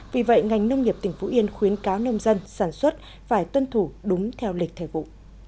vì vậy ngành nông nghiệp tỉnh phú yên khuyến cáo nông dân sản xuất phải tuân thủ đúng theo lịch thời vụ